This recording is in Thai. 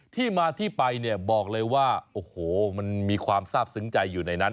ที่มาที่ไปเนี่ยบอกเลยว่าโอ้โหมันมีความทราบซึ้งใจอยู่ในนั้น